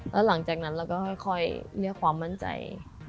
แล้วหลังจากนั้นเราก็ค่อยเรียกความมั่นใจ